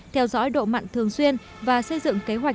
theo dõi độ mặn thường xuyên và xây dựng kế hoạch